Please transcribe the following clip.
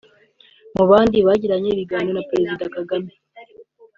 Mu bandi bagiranye ibiganiro na Perezida Kagame